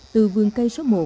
từ vườn cây số một